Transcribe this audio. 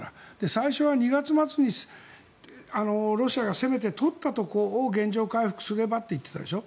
最初は２月末にロシアが攻めて取ったところを原状回復すればと言っていたでしょ。